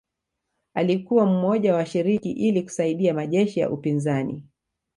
Alikuwa mmoja wa washiriki ili kusaidia majeshi ya upinzani